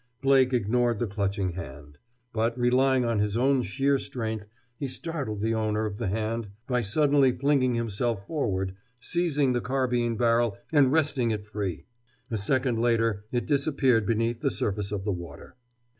Blake ignored the clutching hand. But, relying on his own sheer strength, he startled the owner of the hand by suddenly flinging himself forward, seizing the carbine barrel, and wresting it free. A second later it disappeared beneath the surface of the water.